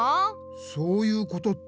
そういうことって？